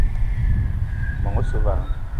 Meng osse vala.